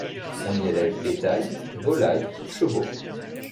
On y élève bétail, volaille, chevaux.